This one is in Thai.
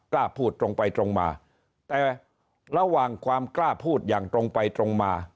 กล้าพูดตรงไปตรงมาแต่ระหว่างความกล้าพูดอย่างตรงไปตรงมา